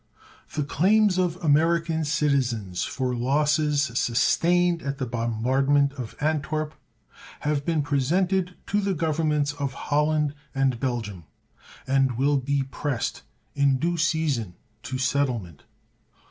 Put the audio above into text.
The claims of American citizens for losses sustained at the bombardment of Antwerp have been presented to the Governments of Holland and Belgium, and will be pressed, in due season, to settlement.